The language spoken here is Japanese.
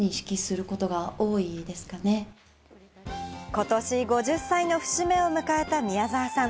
ことし５０歳の節目を迎えた宮沢さん。